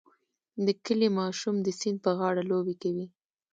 د کلي ماشوم د سیند په غاړه لوبې کوي.